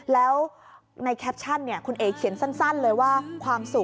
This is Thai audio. แล้วในแคปชั่นคุณเอ๋เขียนสั้นเลยว่าความสุข